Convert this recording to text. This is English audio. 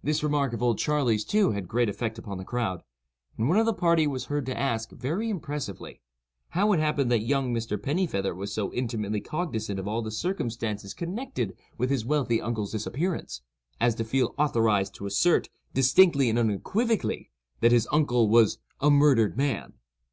This remark of "Old Charley's," too, had great effect upon the crowd; and one of the party was heard to ask, very impressively, "how it happened that young Mr. Pennifeather was so intimately cognizant of all the circumstances connected with his wealthy uncle's disappearance, as to feel authorized to assert, distinctly and unequivocally, that his uncle was 'a murdered man.